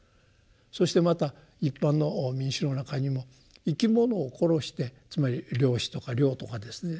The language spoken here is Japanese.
そしてまた一般の民衆の中にも生き物を殺してつまり漁師とか猟とかですね